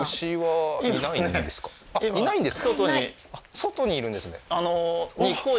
外にいるんですね